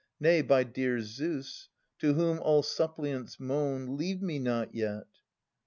Nay, by dear Zeus, to whom all suppliants main. Leave me not yet!